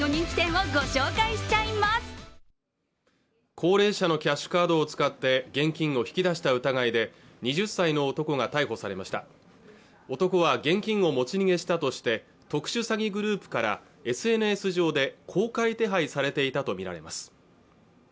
高齢者のキャッシュカードを使って現金を引き出した疑いで２０歳の男が逮捕されました男は現金を持ち逃げしたとして特殊詐欺グループからＳＮＳ上で公開手配されていたと見られます